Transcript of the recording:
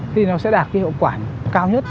thì nó sẽ đạt cái hiệu quả cao nhất